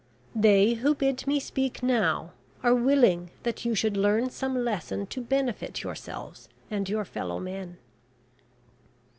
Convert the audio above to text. They who bid me speak now, are willing that you should learn some lesson to benefit yourselves, and your fellow men.